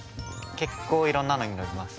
結構いろんなのに乗ります。